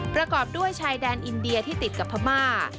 ประกอบด้วยชายแดนอินเดียที่ติดกับพม่า